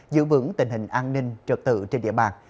giữ vững tình hình an ninh trật tự trên địa bàn